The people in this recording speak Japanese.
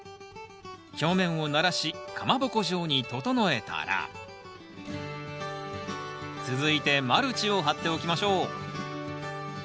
表面をならしかまぼこ状に整えたら続いてマルチを張っておきましょう